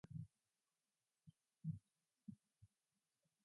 The Chablais Savoyard is the portion of Chablais in France.